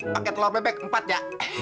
pakai telur bebek empat ya